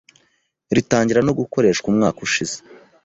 ritangira no gukoreshwa umwaka ushize